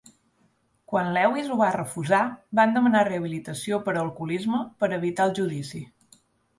Quan Lewis ho va refusar, van demanar rehabilitació per alcoholisme per evitar el judici.